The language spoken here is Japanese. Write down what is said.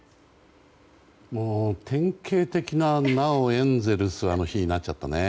典型的な「なおエンゼルス」の日になっちゃったね。